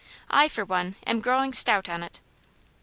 I, for one, am growing stout on it."